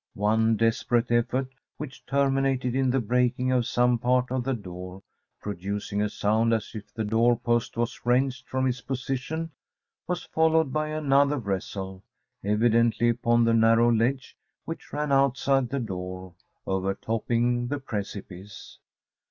One desperate effort, which terminated in the breaking of some part of the door, producing a sound as if the door post was wrenched from its position, was followed by another wrestle, evidently upon the narrow ledge which ran outside the door, overtopping the precipice.